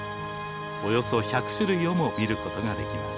およそ１００種類をも見ることができます。